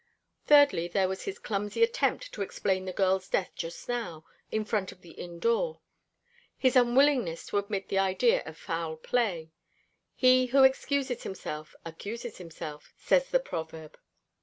Thirdly, there was his clumsy attempt to explain the girl's death just now, in front of the inn door; his unwillingness to admit the idea of foul play. He who excuses himself accuses himself, says the proverb.